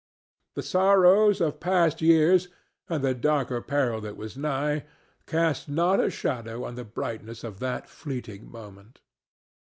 The sorrows of past years and the darker peril that was nigh cast not a shadow on the brightness of that fleeting moment.